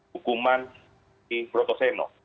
hukuman di broto senok